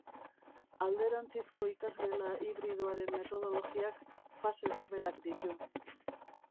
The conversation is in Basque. Alderantzizko ikasgela hibridoaren metodologiak fase berberak ditu.